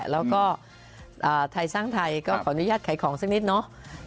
แล้วก็ไทยสร้างไทยก็ขออนุญาตขายของสักนิดเนาะ